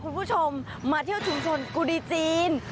คุณผู้ชมมาเที่ยวชุมชนกุดีจีน